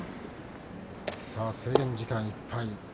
制限時間いっぱい。